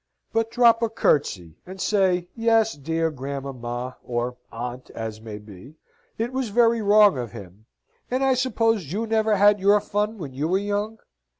but drop a curtsey, and say, "Yes, dear grandmamma (or aunt, as may be), it was very wrong of him: and I suppose you never had your fun when you were young."